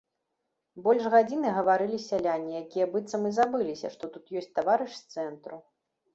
Больш гадзіны гаварылі сяляне, якія быццам і забыліся, што тут ёсць таварыш з цэнтру.